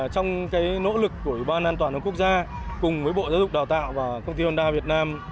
trong nỗ lực của ủy ban an toàn thông quốc gia cùng với bộ giáo dục đào tạo và công ty honda việt nam